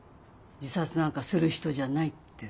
自殺なんかする人じゃないって。